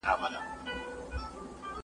په ملي بریاوو غرور د اتحاد سبب دی.